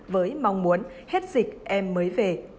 với mong muốn hết dịch em mới về